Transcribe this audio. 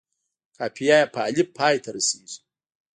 قافیه یې په الف پای ته رسيږي.